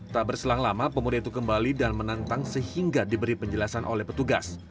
tak berselang lama pemuda itu kembali dan menantang sehingga diberi penjelasan oleh petugas